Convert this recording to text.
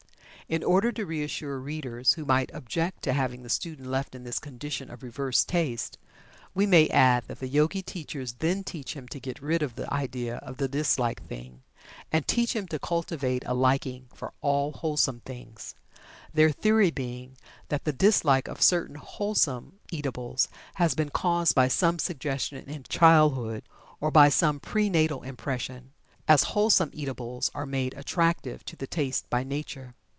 In order to reassure readers who might object to having the student left in this condition of reversed tastes, we may add that the Yogi teachers then teach him to get rid of the idea of the disliked thing, and teach him to cultivate a liking for all wholesome things, their theory being that the dislike of certain wholesome eatables has been caused by some suggestion in childhood, or by some prenatal impression, as wholesome eatables are made attractive to the taste by Nature.